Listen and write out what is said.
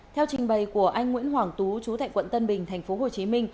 theo trình bày của anh nguyễn hoàng tú chú tại quận tân bình tp hcm